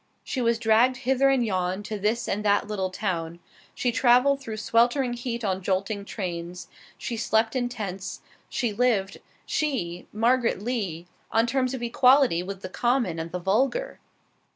She was dragged hither and yon, to this and that little town. She traveled through sweltering heat on jolting trains; she slept in tents; she lived she, Margaret Lee on terms of equality with the common and the vulgar.